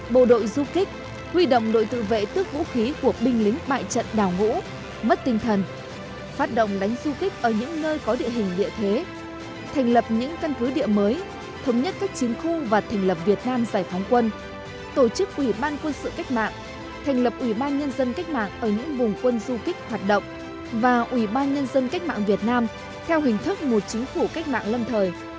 bộ đội du kích huy động đội tự vệ tước vũ khí của binh lính bại trận đảo ngũ mất tinh thần phát động đánh du kích ở những nơi có địa hình địa thế thành lập những căn cứ địa mới thống nhất các chiến khu và thành lập việt nam giải phóng quân tổ chức ủy ban quân sự cách mạng thành lập ủy ban nhân dân cách mạng ở những vùng quân du kích hoạt động và ủy ban nhân dân cách mạng việt nam theo hình thức một chính phủ cách mạng lâm thời